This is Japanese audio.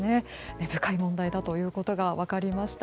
根深い問題だということが分かりました。